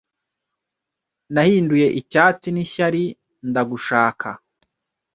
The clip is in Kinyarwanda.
Nahinduye icyatsi nishyari, ndagushaka;